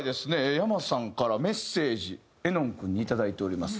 ｙａｍａさんからメッセージ絵音君にいただいております。